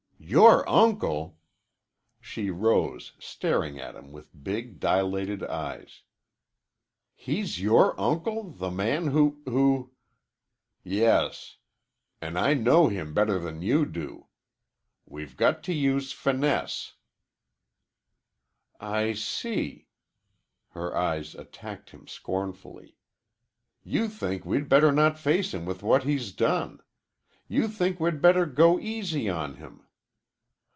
"Your uncle?" She rose, staring at him with big, dilated eyes. "He's your uncle, the man who who " "Yes, an' I know him better than you do. We've got to use finesse " "I see." Her eyes attacked him scornfully. "You think we'd better not face him with what he's done. You think we'd better go easy on him.